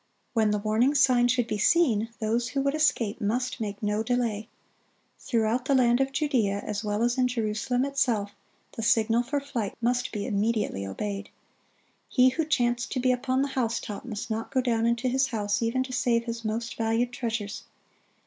When the warning sign should be seen, those who would escape must make no delay. Throughout the land of Judea, as well as in Jerusalem itself, the signal for flight must be immediately obeyed. He who chanced to be upon the housetop must not go down into his house, even to save his most valued treasures.